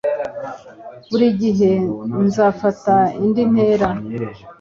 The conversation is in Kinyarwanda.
buri gihe nzafata indi ntera